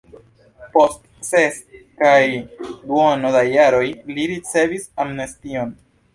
Post ses kaj duono da jaroj li ricevis amnestion.